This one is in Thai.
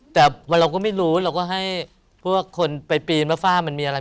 แต่ว่าเราก็ไม่รู้เราก็ให้พวกคนไปปีนว่าฝ้ามันมีอะไร